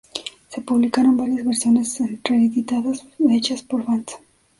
Se publicaron varias versiones reeditadas hechas por fans.